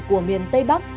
của miền tây bắc